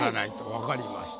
分かりました。